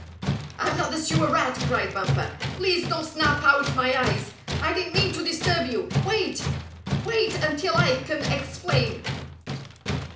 "I'm not the Sewer Rat!" cried Bumper. "Please don't snap out my eyes! I didn't mean to disturb you! Wait! Wait, until I can explain!"